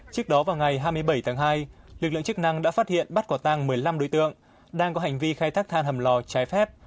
trước đó vào ngày hai mươi bảy tháng hai lực lượng chức năng đã phát hiện bắt quả tăng một mươi năm đối tượng đang có hành vi khai thác than hầm lò trái phép